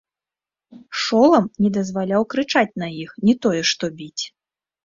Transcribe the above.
Шолам не дазваляў крычаць на іх, не тое што біць.